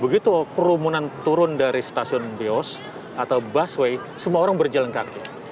begitu kerumunan turun dari stasiun bios atau busway semua orang berjalan kaki